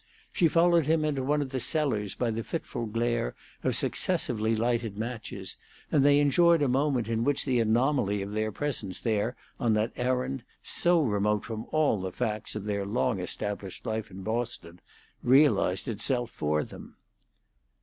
She followed him into one of the cellars by the fitful glare of successively lighted matches, and they enjoyed a moment in which the anomaly of their presence there on that errand, so remote from all the facts of their long established life in Boston, realized itself for them.